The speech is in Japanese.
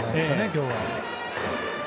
今日は。